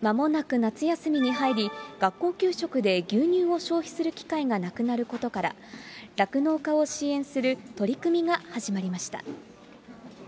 まもなく夏休みに入り、学校給食で牛乳を消費する機会がなくなることから、酪農家を支援する取り組みが始まりました。